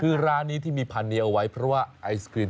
คือร้านนี้ที่มีพันนี้เอาไว้เพราะว่าไอศครีม